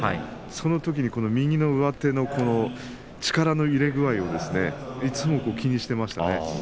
そのときに右の上手の力の入れ具合をいつも気にしていましたね。